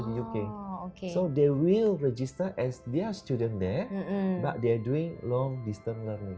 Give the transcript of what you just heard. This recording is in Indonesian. jadi mereka akan terdaftar sebagai pelajar di sana tapi mereka melakukan pembelajaran jauh jauh